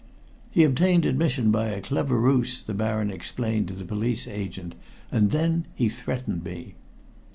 "He obtained admission by a clever ruse," the Baron explained to the police agent. "And then he threatened me."